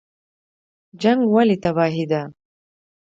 جنګ ولې تباهي ده؟